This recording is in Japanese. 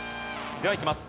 ではいきます。